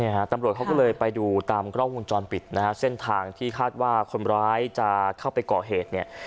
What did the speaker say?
ฮะตำรวจเขาก็เลยไปดูตามกล้องวงจรปิดนะฮะเส้นทางที่คาดว่าคนร้ายจะเข้าไปก่อเหตุเนี่ย